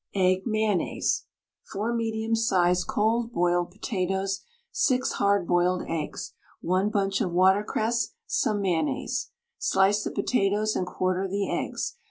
EGG MAYONNAISE. 4 medium sized cold boiled potatoes, 6 hard boiled eggs, 1 bunch of watercress, some mayonnaise. Slice the potatoes, and quarter the eggs.